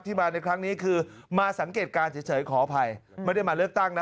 มาในครั้งนี้คือมาสังเกตการณ์เฉยขออภัยไม่ได้มาเลือกตั้งนะ